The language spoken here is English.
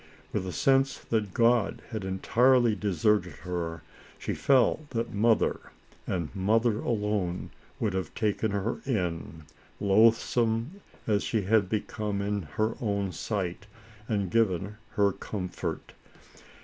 With a sense that God had entirely deserted her, she felt that Mother, and Mother alone, would have taken her in, loath some as she had become in her own sight, and given her comfort.